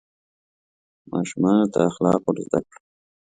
ماشومانو ته اخلاق ور زده کړه.